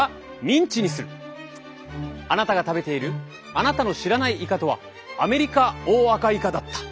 あなたが食べているあなたの知らないイカとはアメリカオオアカイカだった。